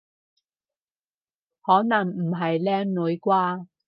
可能唔係靚女啩？